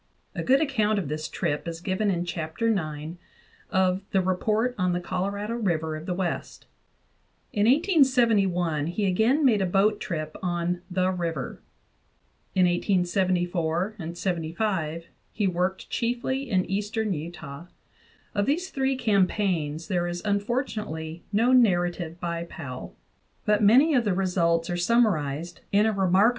A good account of this trip is given in Chapter IX of the "Report on the Colorado River of the West." In 1871 he again made a boat trip on "the river." In 1874 and 1875 he worked chiefly in eastern Utah. Of these three campaigns there is unfortunately no narrative by Powell ;* but many of the results are summarized in a re * F.